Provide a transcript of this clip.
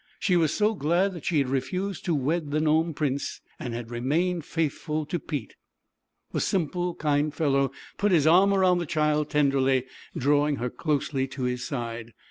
She was so glad that she had refused to wed the Gnome Prince and had remained faithful to Pete. The simple, kind fellow put his arm around the child tenderly, drawing her closely to his side.